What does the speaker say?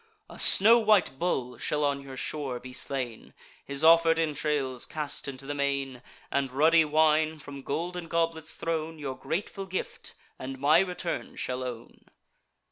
A snow white bull shall on your shore be slain; His offer'd entrails cast into the main, And ruddy wine, from golden goblets thrown, Your grateful gift and my return shall own."